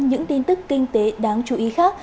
những tin tức kinh tế đáng chú ý khác